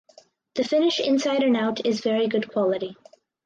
The finish inside and out is very good quality.